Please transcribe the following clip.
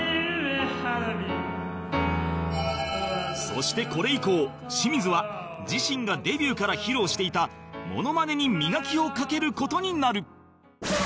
そしてこれ以降清水は自身がデビューから披露していたモノマネに磨きをかける事になる